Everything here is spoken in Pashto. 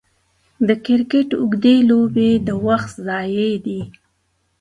د کرکټ اوږدې لوبې د وخت ضايع دي.